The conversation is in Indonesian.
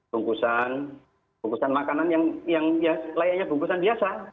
bungkusan bungkusan makanan yang layaknya bungkusan biasa